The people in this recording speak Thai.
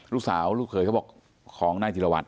ลูกสาวลูกเคยเค้าบอกของนายธีรวรรษ